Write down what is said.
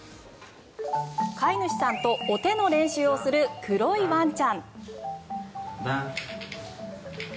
飼い主さんとお手の練習をする黒いワンちゃん。